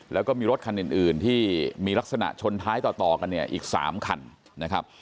แล้วก็มีรถคันอื่นที่มีลักษณะชนท้ายต่อกันเนี่ยอีก๓คันนะครับ